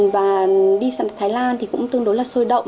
và đi sẵn thái lan thì cũng tương đối là sôi động